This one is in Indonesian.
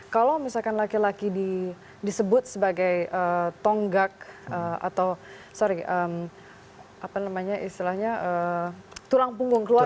kalau misalkan laki laki disebut sebagai tonggak atau sorry apa namanya istilahnya tulang punggung keluarga